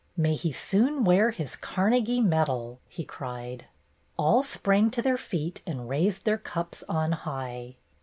May he soon wear his Carnegie medal!" he cried. All sprang to their feet and raised their cups on high.